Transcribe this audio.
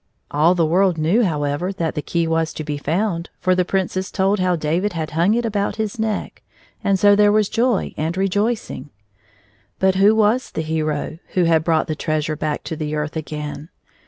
All the world knew, however, that the key was to be found, for the Princess told how David had hung it about his neck, and so there was joy and rejoicing. But who was the hero 1 who had brought the lost treasure back to the earth again